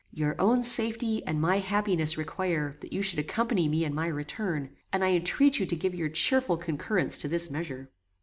Your own safety and my happiness require that you should accompany me in my return, and I entreat you to give your cheerful concurrence to this measure."